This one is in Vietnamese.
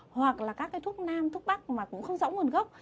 hoặc là các cái thuốc nam thuốc bắc mà cũng không rõ nguồn gốc